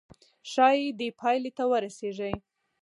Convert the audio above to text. ښايي دې پايلې ته ورسيږئ.